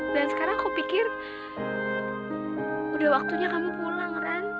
dan sekarang aku pikir udah waktunya kamu pulang ran